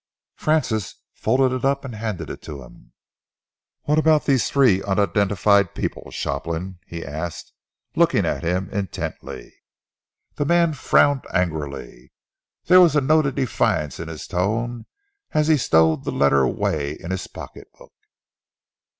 Francis folded it up and handed it to him. "What about these three unidentified people, Shopland?" he asked, looking at him intently. The man frowned angrily. There was a note of defiance in his tone as he stowed the letter away in his pocketbook.